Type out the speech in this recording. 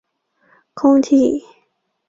空气是指地球大气层中的气体混合。